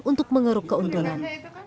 untuk mengeruk keuntungan